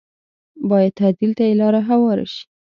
بايد تعديل ته یې لاره هواره شي